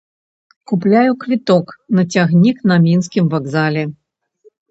Купляю квіток на цягнік на мінскім вакзале.